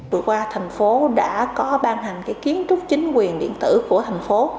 vừa qua thành phố đã có ban hành cái kiến trúc chính quyền điện tử của thành phố